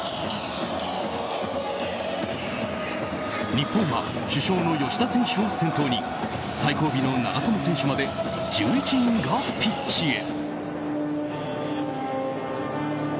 日本は主将の吉田選手を先頭に最後尾の長友選手まで１１人がピッチへ。